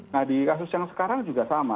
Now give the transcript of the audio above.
nah di kasus yang sekarang juga sama